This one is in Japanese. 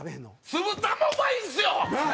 酢豚もうまいんですよ！